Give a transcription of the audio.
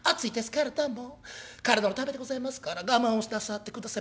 でも体のためでございますから我慢をなさってください。